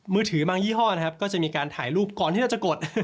มือถือบางยี่ห้อนะครับก็จะมีการถ่ายรูปก่อนที่เราจะกด